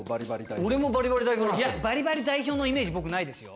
いやバリバリ代表のイメージ僕ないですよ。